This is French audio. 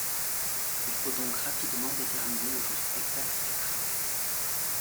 Il faut donc rapidement déterminer le jour exact du krach.